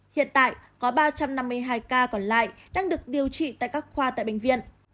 hiện tại có ba trăm năm mươi hai ca còn lại đang được điều trị tại các khoa tại bệnh viện